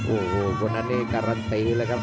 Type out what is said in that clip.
โอ้โหคนนั้นนี่การันตีเลยครับ